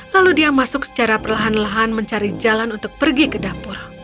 lalu dia masuk secara perlahan lahan mencari jalan untuk pergi ke dapur